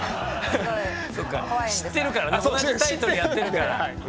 そっか知ってるからね同じタイトルやってるから。